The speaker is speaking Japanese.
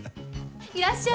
いらっしゃい。